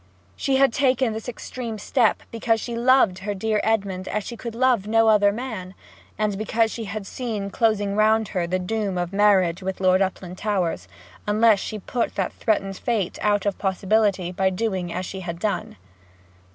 She had taken this extreme step because she loved her dear Edmond as she could love no other man, and because she had seen closing round her the doom of marriage with Lord Uplandtowers, unless she put that threatened fate out of possibility by doing as she had done.